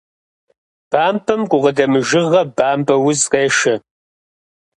Бампӏэм гукъыдэмыжыгъэ, бампӏэ уз къешэ.